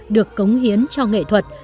được cống hiến cho nghệ thuật